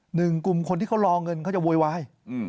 หนึ่งกลุ่มคนที่เขารอเงินเขาจะโวยวาย